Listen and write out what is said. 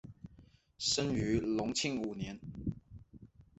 生于隆庆五年。